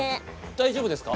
大丈夫ですか？